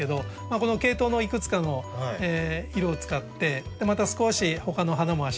このケイトウのいくつかの色を使ってまた少しほかの花もあしらってですね